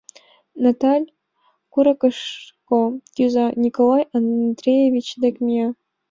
Наталь курыкышко кӱза, Николай Андреевич дек мия.